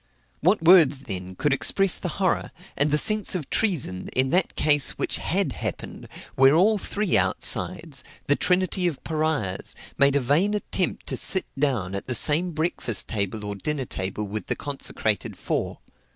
What words, then, could express the horror, and the sense of treason, in that case, which had happened, where all three outsides, the trinity of Pariahs, made a vain attempt to sit down at the same breakfast table or dinner table with the consecrated four?